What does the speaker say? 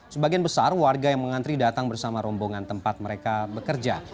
sebagian besar warga yang mengantri datang bersama rombongan tempat mereka bekerja